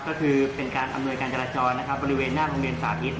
ก็คือเป็นการอำนวยการจราจรนะครับบริเวณหน้าโรงเรียนสาธิต